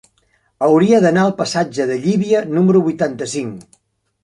Hauria d'anar al passatge de Llívia número vuitanta-cinc.